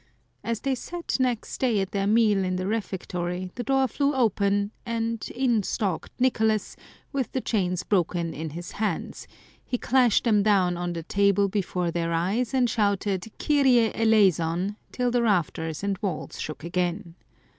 As they sat next day at their meal in the refectory, the door flew open, and in stalked Nicolas with the chains broken in his hands ; he clashed them down on the table before their eyes, and shouted " Kyrie eleison !" till the rafters and walls shook again.